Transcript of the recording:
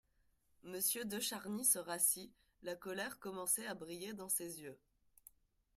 Monsieur de Charny se rassit, la colère commençait à briller dans ses yeux.